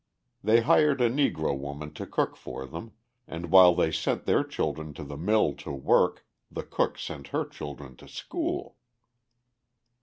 They hired a Negro woman to cook for them, and while they sent their children to the mill to work, the cook sent her children to school!